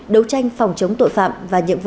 đấu tranh phòng chống tội phạm và nhiễm vụ